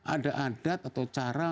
ada adat atau cara